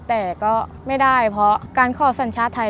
แต่ก็ไม่ได้เพราะการขอสัญชาติไทย